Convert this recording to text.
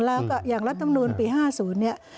แล้วก็อย่างรัฐมนูลปี๕๐เนี่ย